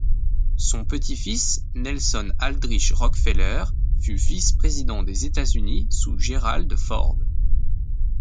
Son petit-fils, Nelson Aldrich Rockefeller, fut vice-président des États-Unis sous Gerald Ford.